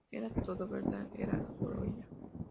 Era todo verdad, era solo ella".